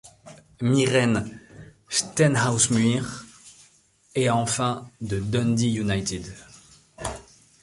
Mirren, Stenhousemuir et enfin de Dundee United.